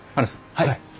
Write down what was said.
はい。